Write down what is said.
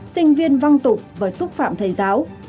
sinh viên văng tục và xúc phạm thầy giáo